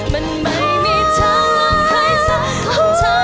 มันไม่มีเธอลองให้สัก